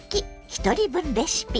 ひとり分レシピ」。